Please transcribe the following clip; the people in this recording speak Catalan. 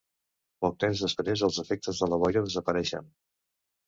Poc temps després, els efectes de la boira desapareixen.